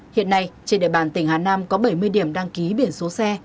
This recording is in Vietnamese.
hiện nay trên địa bàn tỉnh hà nam có bảy mươi điểm đăng ký biển số xe